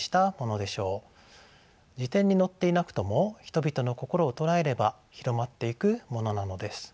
辞典に載っていなくとも人々の心を捉えれば広まっていくものなのです。